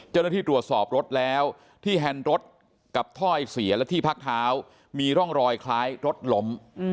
เจ้าหน้าที่ตรวจสอบรถแล้วที่แฮนด์รถกับถ้อยเสียและที่พักเท้ามีร่องรอยคล้ายรถล้ม